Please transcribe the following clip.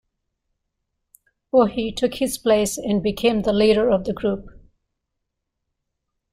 Ohki took his place and became the leader of the group.